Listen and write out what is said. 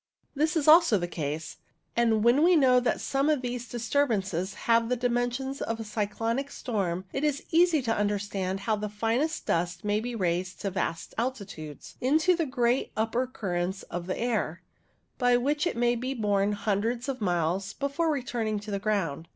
This also is the case, and when we know that some of these disturbances have the dimensions of a cyclonic storm, it is easy to understand how the finest dust may be raised to vast altitudes, into the great upper currents of the air, by which it may be borne hundreds of miles before returning to the ground.